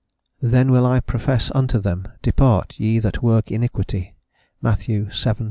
"Then will I profess unto them... Depart...ye that work iniquity." Matt. vii.